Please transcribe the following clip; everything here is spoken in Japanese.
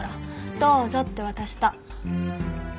どうぞって渡した。